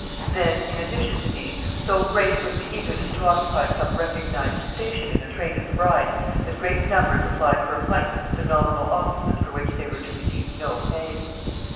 Then, in addition to these, so great was the eagerness to occupy some recognized station in the train of the bride, that great numbers applied for appointments to nominal offices for which they were to receive no pay.